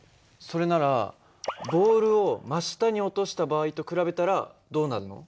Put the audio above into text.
それならボールを真下に落とした場合と比べたらどうなるの？